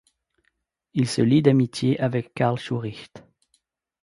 Il se lie d'amitié avec Carl Schuricht.